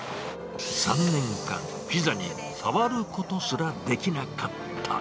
３年間、ピザに触ることすらできなかった。